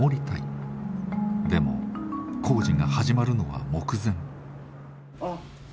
でも工事が始まるのは目前。